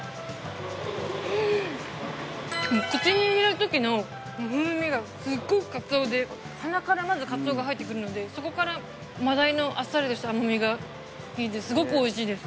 口に入れるときの風味がすごくかつおで鼻からまずかつおが入ってくるのでそこから真鯛のあっさりとした甘みがすごくおいしいです。